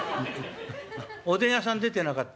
「おでん屋さん出てなかった？」。